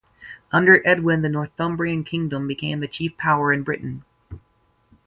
Under Edwin the Northumbrian kingdom became the chief power in Britain.